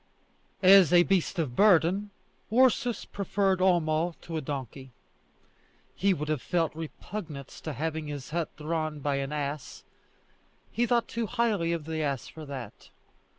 As a beast of burden, Ursus preferred Homo to a donkey. He would have felt repugnance to having his hut drawn by an ass; he thought too highly of the ass for that.